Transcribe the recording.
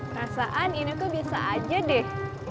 perasaan ini tuh bisa aja deh